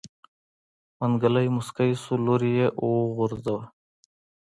منګلی موسکی شو لور يې وغورځوه.